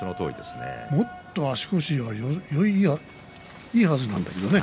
もっと足腰がいいはずなんだけどね。